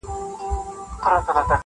حافظه يې له ذهن نه نه وځي-